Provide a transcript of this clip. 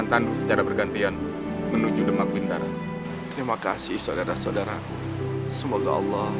tandu secara bergantian menuju demak bintara terima kasih saudara saudaraku semoga allah